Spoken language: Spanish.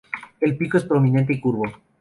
El pico es prominente y curvo.